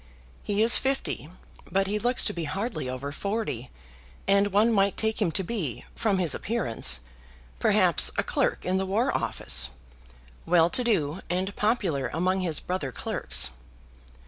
He is fifty, but he looks to be hardly over forty, and one might take him to be, from his appearance, perhaps a clerk in the War Office, well to do, and popular among his brother clerks.